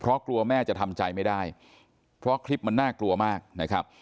เพราะกลัวแม่จะทำใจไม่ได้เพราะคลิปมันน่ากลัวมากนะครับ